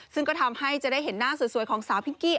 ซึ่งก็ทำให้จะได้เห็นหน้าสวยของสาวพิงกี้